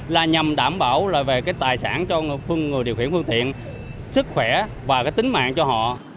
là nhằm đảm bảo là về cái tài sản cho người điều khiển phương tiện sức khỏe và cái tính mạng cho họ